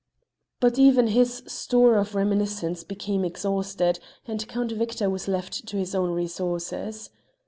But even his store of reminiscence became exhausted, and Count Victor was left to his own resources.